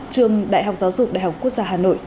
trường đại học giáo dục đại học quốc gia hà nội